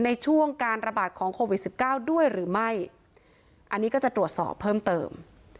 ในช่วงการระบาดของโควิดสิบเก้าด้วยหรือไม่อันนี้ก็จะตรวจสอบเพิ่มเติม